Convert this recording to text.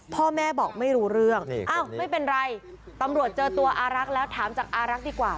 พ่อแม่บอกไม่รู้เรื่องอ้าวไม่เป็นไรตำรวจเจอตัวอารักษ์แล้วถามจากอารักษ์ดีกว่า